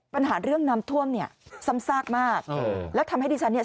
ปัญหาเรื่องน้ำท่วมเนี่ยซ้ำซากมากเออแล้วทำให้ดิฉันเนี่ย